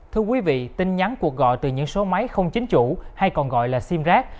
thưa quý vị tin nhắn cuộc gọi từ những số máy không chính chủ hay còn gọi là sim rác